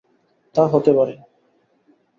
তা হতে পারে।